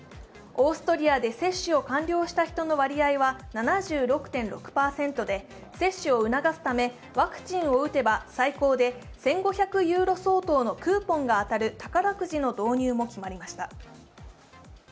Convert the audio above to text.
オーストリアで接種を完了した人の割合は７６．６％で接種を促すためワクチンを打てば最高で１５００ユーロ相当のクーポンが当たる宝くじの導入も決まりました。